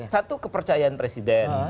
satu kepercayaan presiden